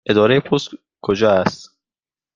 اداره پست کجا است؟